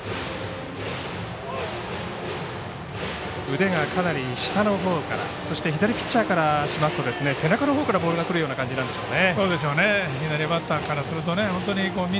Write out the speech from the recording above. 腕がかなり下のほうからピッチャーからしますと後ろからくるような感じなんでしょうね。